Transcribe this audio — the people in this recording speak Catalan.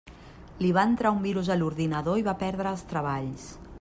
Li va entrar un virus a l'ordinador i va perdre els treballs.